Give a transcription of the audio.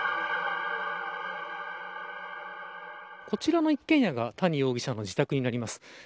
こちらの一軒家が谷容疑者の自宅になります。